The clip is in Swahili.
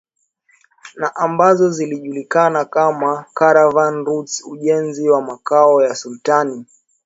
na ambazo zilijulikana kama Caravan Routes Ujenzi wa Makao ya Sultani